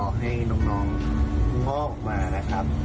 ก็ให้น้องงอกออกมานะครับ